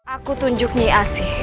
aku tunjuk nyi asih